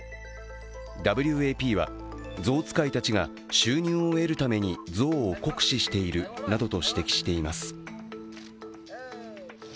ＷＡＰは、ゾウ使いたちが収入を得るためにゾウを酷使しているなどと指摘しています。